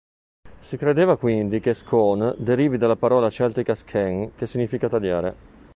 Si credeva quindi che "Scone" derivi dalla parola celtica "Sken" che significa "tagliare".